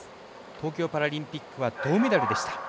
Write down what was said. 東京パラリンピックは銅メダルでした。